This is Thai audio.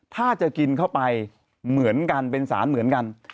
ถ้าจะกินเข้าไปเหมือนกันเป็นสารเหมือนกัน